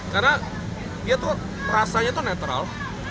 karena dia tuh rasanya tuh netral